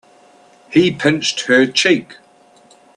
He pinched her cheek.